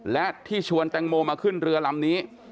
และที่ชวนแตงโมมาขึ้นเรือลำนี้